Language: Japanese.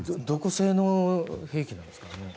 どこ製の兵器なんですか？